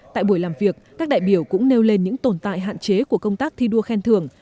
tại buổi làm việc các đại biểu cũng nêu lên những tồn tại hạn chế của công tác thi đua khen thưởng